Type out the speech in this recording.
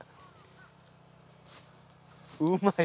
うまい！